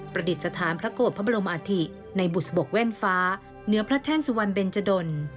ประดิษฐานพระโกรธพระบรมอาธิในบุษบกแว่นฟ้าเหนือพระแท่นสุวรรณเบนจดล